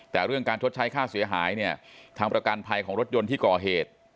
แต่เรื่องการชดใช้ค่าเสียหายเนี่ยทางประกันภัยของรถยนต์ที่ก่อเหตุ